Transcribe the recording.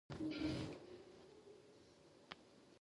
هغه د ورځني ژوند نظم د حکومتدارۍ برخه بلله.